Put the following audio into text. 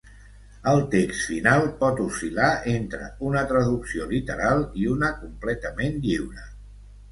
El text final pot oscil·lar entre una traducció literal i una completament lliure.